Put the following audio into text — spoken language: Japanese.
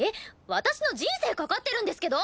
私の人生かかってるんですけど！